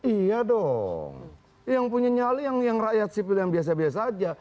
iya dong yang punya nyali yang rakyat sipil yang biasa biasa aja